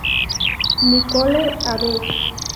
Nicole Abe